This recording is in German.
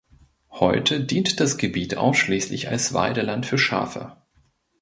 Heute dient das Gebiet ausschließlich als Weideland für Schafe.